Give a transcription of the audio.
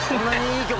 はい。